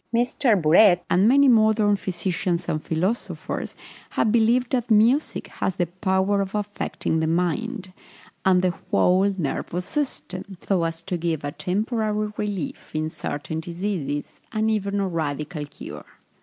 M. Burette, and many modern physicians and philosophers, have believed that music has the power of affecting the mind, and the whole nervous system, so as to give a temporary relief in certain diseases, and even a radical cure.